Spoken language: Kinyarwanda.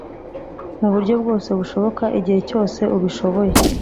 muburyo bwose bushoboka, igihe cyose ubishoboye.”